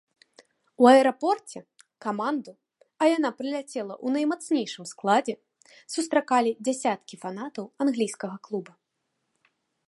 У аэрапорце каманду, а яна прыляцела ў наймацнейшым складзе, сустракалі дзясяткі фанатаў англійскага клуба.